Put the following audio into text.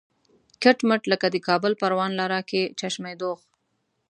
کټ مټ لکه د کابل پروان لاره کې چشمه دوغ.